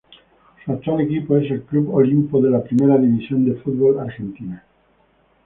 Su actual equipo es el Club Olimpo de la Primera División del Fútbol Argentino.